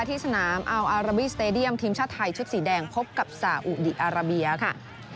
ที่สนามอัลอาราบิสเตดียมทีมชาติไทยชุดสีแดงพบกับสาอุดีอาราเบียค่ะ